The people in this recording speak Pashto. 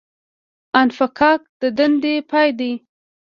انفکاک د دندې پای دی